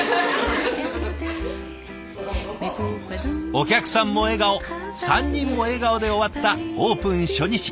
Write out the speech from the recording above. お客さんも笑顔３人も笑顔で終わったオープン初日。